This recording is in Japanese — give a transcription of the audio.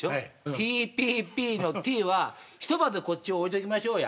ＴＰＰのＴはひとまずこっち置いときましょうや。